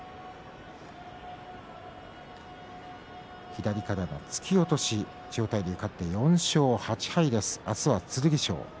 左からの突き落とし千代大龍、勝って４勝８敗明日は剣翔。